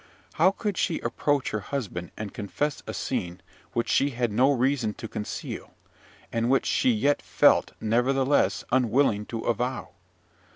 How could she approach her husband, and confess a scene which she had no reason to conceal, and which she yet felt, nevertheless, unwilling to avow?